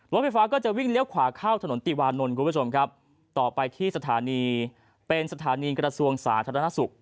รถไฟฟ้าก็จะวิ่งเลี้ยวขวาเข้าถนนติวานนลต่อไปที่สถานีกระทรวงสาธารณสุข